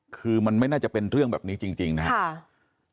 คือมันไม่น่าจะเป็นเรื่องแบบนี้จริงนะครับ